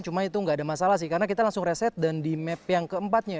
cuma itu nggak ada masalah sih karena kita langsung reset dan di map yang keempatnya